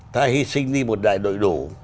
ta hy sinh đi một đại đội